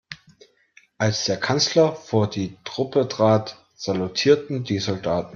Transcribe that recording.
Als der Kanzler vor die Truppe trat, salutierten die Soldaten.